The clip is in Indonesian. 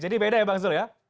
jadi beda ya bang zul ya